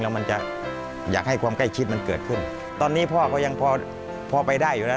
แล้วมันจะอยากให้ความใกล้ชิดมันเกิดขึ้นตอนนี้พ่อก็ยังพอพอไปได้อยู่แล้ว